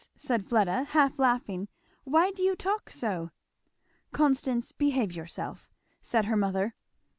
said Fleda, half laughing, "why do you talk so?" "Constance, behave yourself," said her mother.